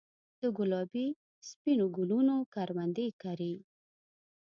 دګلابي ، سپینو ګلونو کروندې کرې